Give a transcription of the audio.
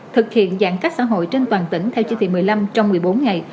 thực hiện giãn cách xã hội trên toàn tỉnh theo chỉ thị một mươi năm trong một mươi bốn ngày